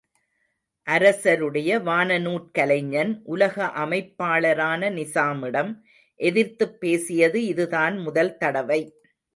அரசருடைய வானநூற் கலைஞன், உலக அமைப்பாளரான நிசாமிடம் எதிர்த்துப் பேசியது இதுதான் முதல் தடவை.